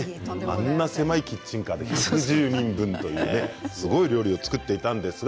あんな狭いキッチンカーで１１０人分すごい料理を作っていました。